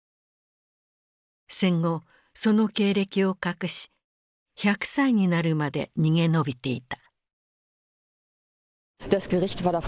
戦後その経歴を隠し１００歳になるまで逃げ延びていた。